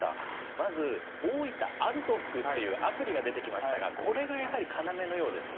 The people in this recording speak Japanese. まずおおいた歩得っていうアプリが出てきましたがこれがやはり要のようですね。